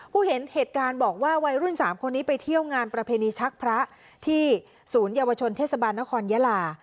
เห็นเหตุการณ์บอกว่าวัยรุ่น๓คนนี้ไปเที่ยวงานประเพณีชักพระที่ศูนยวชนเทศบาลนครยาลา